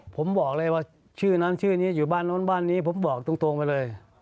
ผมบอกเลยว่าชื่อนั้นชื่อนี้อยู่บ้านโน้นบ้านนี้ผมบอกตรงไปเลย